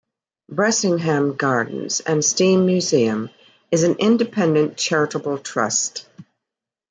Bressingham Gardens and Steam Museum is an independent charitable trust.